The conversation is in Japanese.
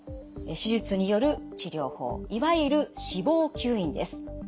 手術による治療法いわゆる脂肪吸引です。